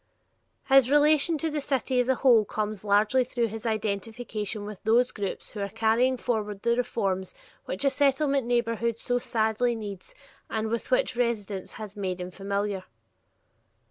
His relation to the city as a whole comes largely through his identification with those groups who are carrying forward the reforms which a Settlement neighborhood so sadly needs and with which residence has made him familiar.